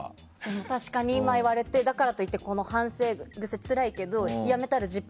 確かに、今言われてだからといってこの反省癖もつらいけどやめたら「ＺＩＰ！」